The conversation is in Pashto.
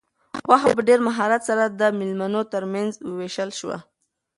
غوښه په ډېر مهارت سره د مېلمنو تر منځ وویشل شوه.